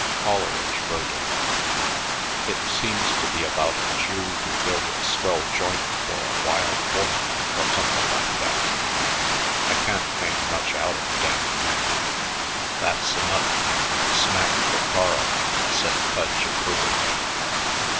Coleridge wrote it. It seems to be about a Jew who built a swell joint for a wild woman or something like that. I can't make much out of the damn thing." "That's enough. Smack for Carl," said Pudge approvingly.